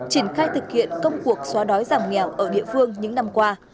triển khai thực hiện công cuộc xóa đói giảm nghèo ở địa phương những năm qua